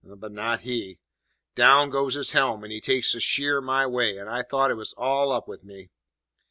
But not he. Down goes his helm, and he takes a sheer my way, and I thought it was all up with me.